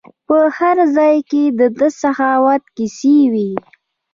په هر ځای کې د ده سخاوت کیسې وي.